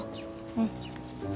うん。